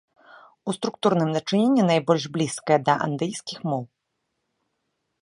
У структурным дачыненні найбольш блізкая да андыйскіх моў.